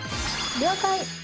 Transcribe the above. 「了解！」